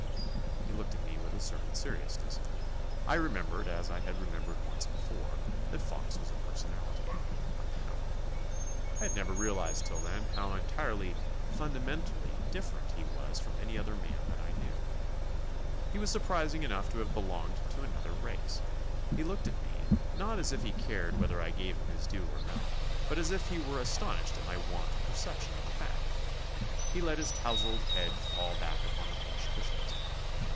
He looked at me with a certain seriousness. I remembered, as I had remembered once before, that Fox was a personality a power. I had never realised till then how entirely fundamentally different he was from any other man that I knew. He was surprising enough to have belonged to another race. He looked at me, not as if he cared whether I gave him his due or no, but as if he were astonished at my want of perception of the fact. He let his towzled head fall back upon the plush cushions.